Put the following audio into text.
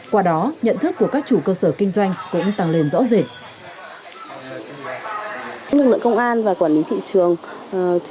qua đó nhận thức của các chủ cơ sở kinh doanh cũng tăng lên rõ rệt